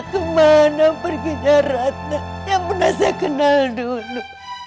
kemana perginya ratna yang pernah saya kenal dulu